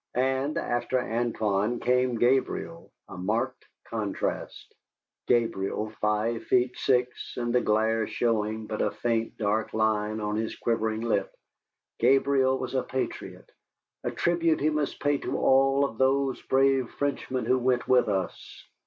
And after Antoine came Gabriel, a marked contrast Gabriel, five feet six, and the glare showing but a faint dark line on his quivering lip. Gabriel was a patriot, a tribute we must pay to all of those brave Frenchmen who went with us.